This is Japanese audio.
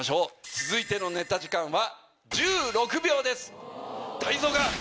続いてのネタ時間は。